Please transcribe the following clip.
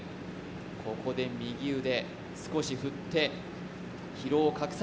ここで右腕、少し振って疲労拡散。